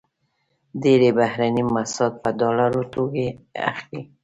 ډېری بهرني موسسات په ډالرو توکې اخلي.